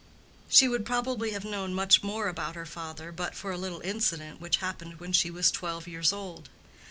She would probably have known much more about her father but for a little incident which happened when she was twelve years old.